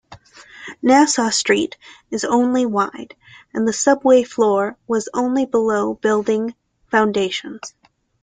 Nassau Street is only wide, and the subway floor was only below building foundations.